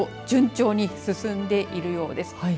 順調に進んでいるようです。